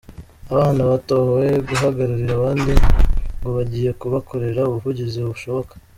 Abana batowe guhagararira abandi ngo bagiye kubakorera ubuvugizi bushoboka